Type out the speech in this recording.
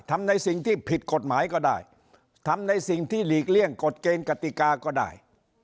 ทำในสิ่งที่ผิดกฎหมายก็ได้ทำในสิ่งที่หลีกเลี่ยงกฎเกณฑ์กติกาก็ได้